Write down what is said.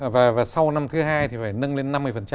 và sau năm thứ hai thì phải nâng lên năm mươi